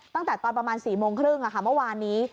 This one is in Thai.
ตั้งแต่ตอนประมาณ๔โมงครึ่งเมื่อวานนี้